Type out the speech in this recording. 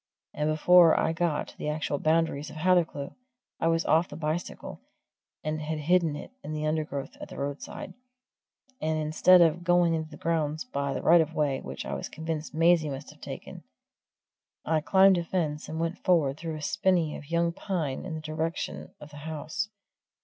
And before I got to the actual boundaries of Hathercleugh, I was off the bicycle, and had hidden it in the undergrowth at the roadside; and instead of going into the grounds by the right of way which I was convinced Maisie must have taken, I climbed a fence and went forward through a spinny of young pine in the direction of the house.